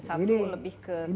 satu lebih ke korban